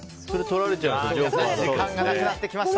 時間がなくなってきました。